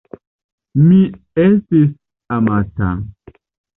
Mi estis amata.